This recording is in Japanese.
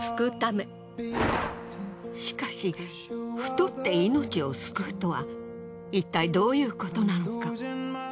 しかし太って命を救うとはいったいどういうことなのか。